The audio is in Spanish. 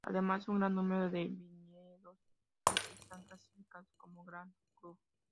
Además, un gran número de viñedos están clasificados como "Grand Cru.